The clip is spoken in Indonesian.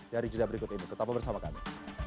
dari jeda berikut ini tetap bersama kami